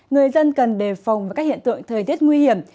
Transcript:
người dân cần đề phòng với các hiện tượng thời tiết nguy hiểm